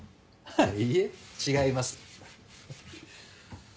いいえ違います。